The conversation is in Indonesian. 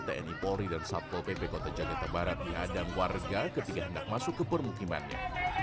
tni polri dan satpol pp kota jakarta barat dihadang warga ketika hendak masuk ke permukimannya